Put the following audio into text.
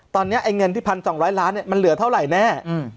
ตอนนี้ไอ้เงินที่๑๒๐๐ล้านมันเหลือเท่าไหร่แน่